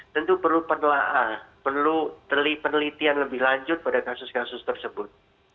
tentu perlu penelitian lebih lanjut pada kasus kasus tersebut